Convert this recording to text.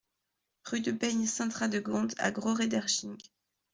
Rue de Baignes Sainte-Radegonde à Gros-Réderching